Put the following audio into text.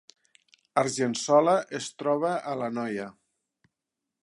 Argençola es troba a l’Anoia